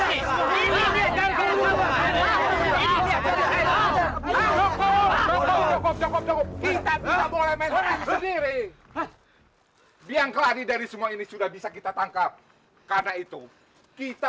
ini sendiri biang kelari dari semua ini sudah bisa kita tangkap karena itu kita